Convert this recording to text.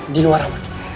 di luar aman